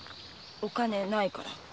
お金ないから。